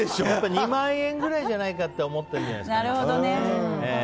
２万円ぐらいじゃないかと思っているんじゃないですか。